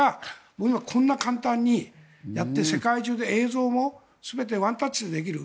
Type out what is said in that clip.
それが今、こんな簡単にやって世界中で映像も全てワンタッチでできる。